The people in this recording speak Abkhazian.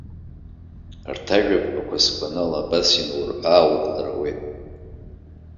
Арҭ ажәаԥҟақәа сгәанала, абас инаурҳәыааурҳәыр ауеит.